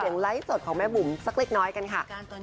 ไลฟ์สดของแม่บุ๋มสักเล็กน้อยกันค่ะ